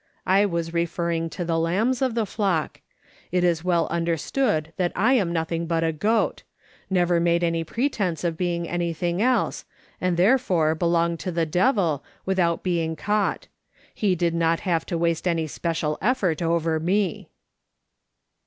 " I was referring to the lambs of the flock ; it is well understood that I am nothing but a goat ; never made any pretence of being anything else, and therefore belong to the devil, without being caught : he did not have to waste any special effort over me."